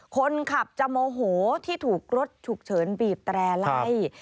คนขับจะโมโหที่ถูกรถฉุกเฉินบีบแตร่ไล่